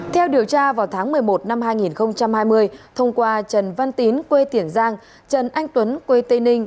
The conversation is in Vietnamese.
theo điều tra vào tháng một mươi một năm hai nghìn hai mươi thông qua trần văn tín quê tiền giang trần anh tuấn quê tây ninh